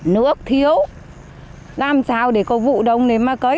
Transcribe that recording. nước thiếu làm sao để có vụ đông nếu mà cấy